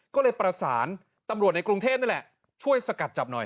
ก็เลยประสานตำรวจในกรุงเทพนี่แหละช่วยสกัดจับหน่อย